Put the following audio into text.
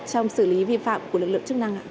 trong xử lý vi phạm của lực lượng chức năng